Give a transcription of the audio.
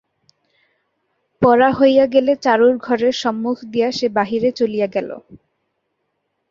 পড়া হইয়া গেলে চারুর ঘরের সম্মুখ দিয়া সে বাহিরে চলিয়া গেল।